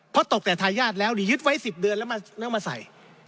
เพราะตกแต่ทายาทแล้วนี่ยึดไว้๑๐เดือนแล้วมาใส่